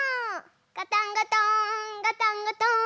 ガタンゴトーンガタンゴトーン。